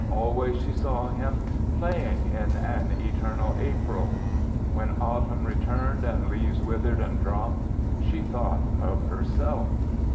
Always she saw him playing in an eternal April. When autumn returned and leaves withered and dropped, she thought of herself.